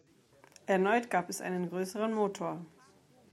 Erneut gab es einen größeren Motor.